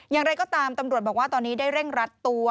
อย่างไรก็ตามตำรวจบอกว่าตอนนี้ได้เร่งรัดตัว